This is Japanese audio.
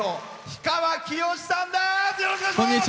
氷川きよしさんです。